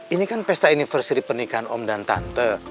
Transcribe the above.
ini kan pesta universary pernikahan om dan tante